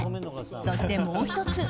そして、もう１つ。